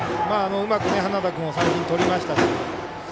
うまく花田君を三振でとりましたし